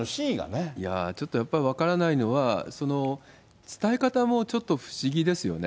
ちょっとやっぱり分からないのは、伝え方もちょっと不思議ですよね。